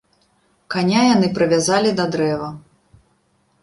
Каня яны прывязалі да дрэва.